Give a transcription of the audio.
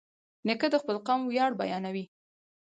نیکه د خپل قوم ویاړ بیانوي.